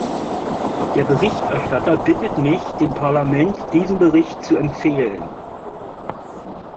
Der Berichterstatter bittet mich, dem Parlament diesen Bericht zu empfehlen.